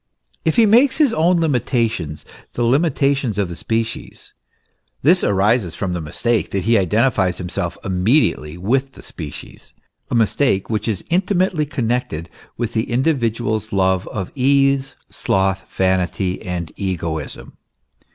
If he makes his own limitations the limitations of the species, this arises from the mistake that he identifies himself immediately with the species a mistake which is intimately connected with the individual's love of ease, sloth, vanity, and egoism.